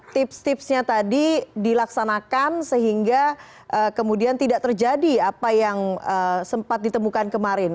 tips tipsnya tadi dilaksanakan sehingga kemudian tidak terjadi apa yang sempat ditemukan kemarin